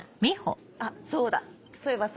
あっそうだそういえばさ